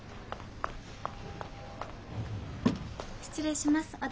失礼します。